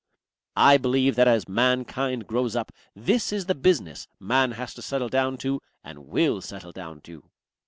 "I believe that as Mankind grows up this is the business Man has to settle down to and will settle down to."